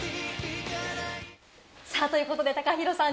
ということで、ＴＡＫＡＨＩＲＯさん